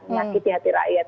menyakiti hati rakyat